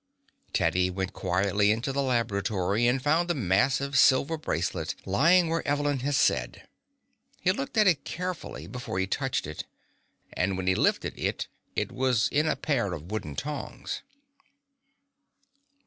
Teddy went quietly into the laboratory and found the massive silver bracelet lying where Evelyn had said. He looked at it carefully before he touched it, and when he lifted it it was in a pair of wooden tongs.